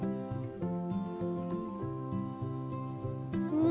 うん！